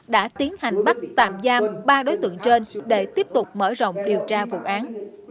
đã tiến hành bắt tạm giam ba đối tượng trên để tiếp tục mở rộng điều tra vụ án